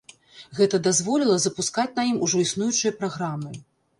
Гэта дазволіла запускаць на ім ужо існуючыя праграмы.